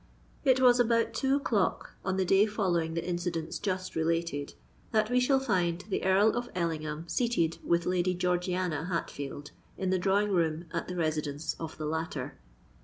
It was about two o'clock, on the day following the incidents just related, that we shall find the Earl of Ellingham seated with Lady Georgiana Hatfield, in the drawing room at the residence of the latter.